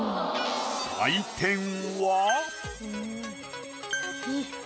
採点は？